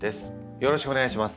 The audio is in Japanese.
よろしくお願いします。